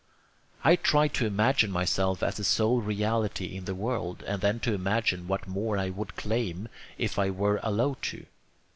I try to imagine myself as the sole reality in the world, and then to imagine what more I would 'claim' if I were allowed to.